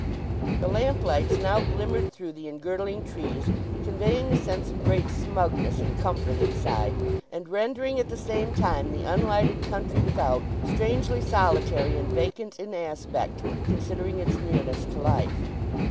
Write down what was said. The lamplights now glimmered through the engirdling trees, conveying a sense of great smugness and comfort inside, and rendering at the same time the unlighted country without strangely solitary and vacant in aspect, considering its nearness to life.